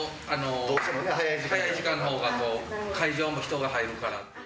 早い時間の方が会場も人が入るから。